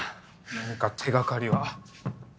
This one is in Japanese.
何か手掛かりは。